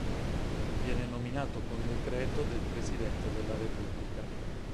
Viene nominato con decreto del presidente della Repubblica.